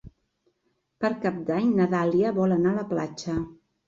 Per Cap d'Any na Dàlia vol anar a la platja.